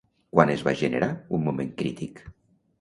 Quan es va generar un moment crític?